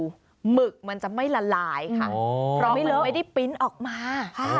หมึกมันจะไม่ละลายค่ะเพราะไม่ได้ปริ้นต์ออกมา